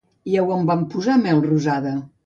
I a on van posar Melrosada?